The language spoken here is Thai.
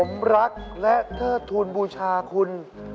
ผมรักและเทิดทูลบูชาคุณ